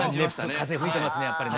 風吹いてますねやっぱりね。